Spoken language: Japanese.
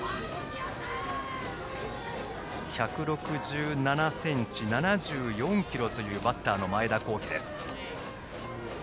１６７ｃｍ、７４ｋｇというバッターの前田幸毅。